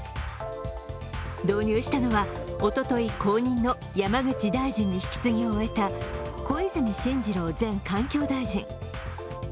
導入したのはおととい後任の山口大臣に引き継ぎを終えた小泉進次郎前環境大臣。